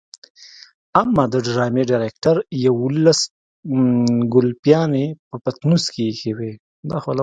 اما د ډرامې ډايرکټر يوولس ګلپيانې په پټنوس کې ايښې وي.